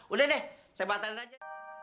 udah deh saya batalin aja